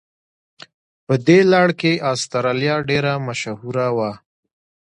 په دې لړ کې استرالیا ډېره مشهوره وه.